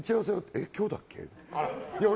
え、今日だっけ？